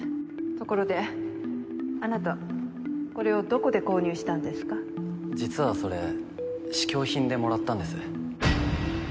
ところであなたこれをどこで購入し実はそれ試供品でもらったんです